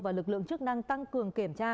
và lực lượng chức năng tăng cường kiểm tra